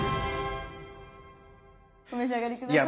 お召し上がり下さい。